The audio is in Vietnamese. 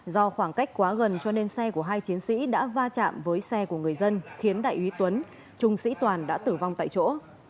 do khoảng cách quá gần cho nên xe của hai chiến sĩ đã va chạm với xe của người dân khiến đại úy tuấn trung sĩ toàn đã tử vong tại chỗ